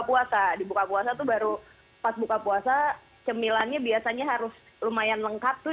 puasa di buka puasa tuh baru pas buka puasa cemilannya biasanya harus lumayan lengkap tuh